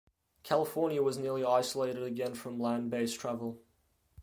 California was nearly isolated again from land based travel.